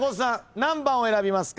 何番を選びますか？